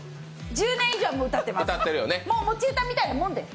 １０年以上歌って、もう持ち歌みたいなもんで。